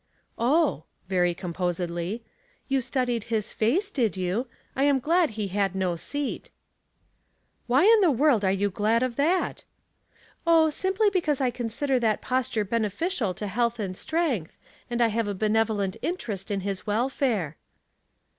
"Oh," very composedly, "you studied hia face, did you ? I am glad he had no seat." " Why in the world are you glad of that ?"" Oh, simply because I consider that posture beneficial to health and strength, and I have a benevolent interest in his welfare."